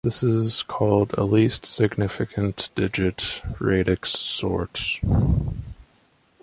This is called a least significant digit radix sort.